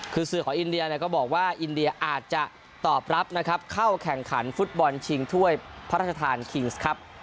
คือสื่อของอินเดียก็บอกว่าอินเดียอาจจะตอบรับนะครับเข้าแข่งขันฟุตบอลชิงถ้วยพระราชทานคิงส์ครับ